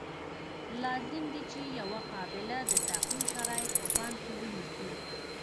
لازم دي چې یوه قابله د تعقیم شرایط په پام کې ونیسي.